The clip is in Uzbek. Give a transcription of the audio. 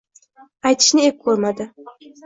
aytishni ep ko'rmadi.